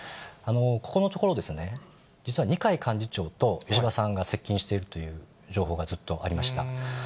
ここのところですね、実は二階幹事長と石破さんが接近しているという情報がずっとありました。